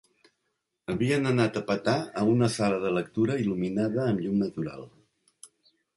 Havien anat a petar a una sala de lectura il·luminada amb llum natural.